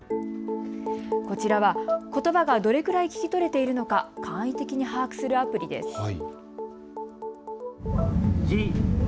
こちらは、ことばがどれくらい聞き取れているのか簡易的に把握するアプリです。